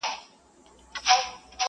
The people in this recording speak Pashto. پردی ولات د مړو قدر کموینه-